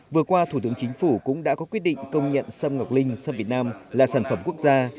vừa qua thủ tướng chính phủ cũng đã có quyết định công nhận sâm ngọc linh sâm việt nam là sản phẩm quốc gia